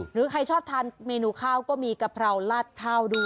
หรือใครชอบทานเมนูข้าวก็มีกะเพราลาดข้าวด้วย